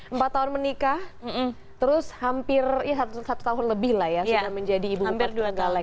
empat tahun menikah terus hampir ya satu tahun lebih lah ya sudah menjadi ibu negara